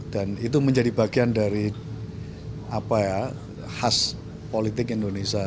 dan itu menjadi bagian dari apa ya khas politik indonesia